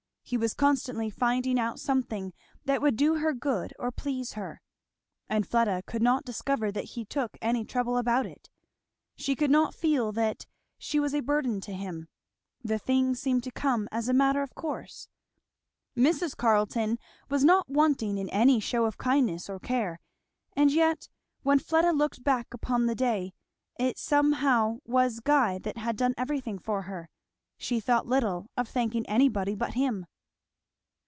He was constantly finding out something that would do her good or please her; and Fleda could not discover that he took any trouble about it; she could not feel that she was a burden to him; the things seemed to come as a matter of course. Mrs. Carleton was not wanting in any shew of kindness or care, and yet, when Fleda looked back upon the day, it somehow was Guy that had done everything for her; she thought little of thanking anybody but him.